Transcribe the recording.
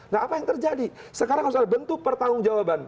nah apa yang terjadi sekarang soal bentuk pertanggung jawaban